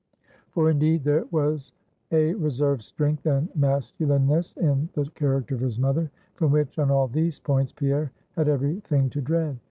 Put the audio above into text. For indeed there was a reserved strength and masculineness in the character of his mother, from which on all these points Pierre had every thing to dread.